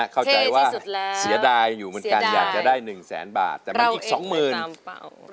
เข้าใจว่าเสียดายอยู่เหมือนกันอยากจะได้๑๐๐๐๐๐บาทแต่มีอีก๒๐๐๐๐บาท